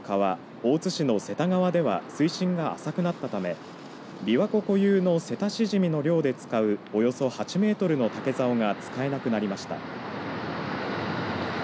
大津市の瀬田川では水深が浅くなったためびわ湖固有のセタシジミの漁で使うおよそ８メートルの竹ざおが使えなくなりました。